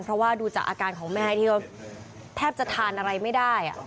เพราะว่าดูจากอาการของแม่ที่ก็แทบจะทานอะไรไม่ได้